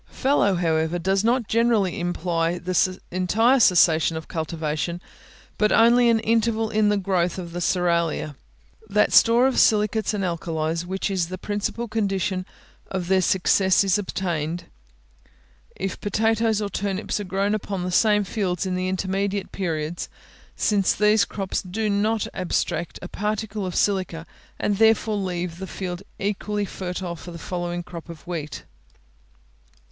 Fallow, however, does not generally imply an entire cessation of cultivation, but only an interval in the growth of the cerealia. That store of silicates and alkalies which is the principal condition of their success is obtained, if potatoes or turnips are grown upon the same fields in the intermediate periods, since these crops do not abstract a particle of silica, and therefore leave the field equally fertile for the following crop of wheat.